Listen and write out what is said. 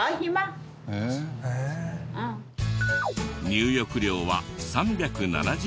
入浴料は３７０円。